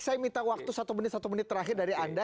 saya minta waktu satu menit satu menit terakhir dari anda